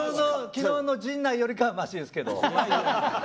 昨日の陣内よりかはマシですけど。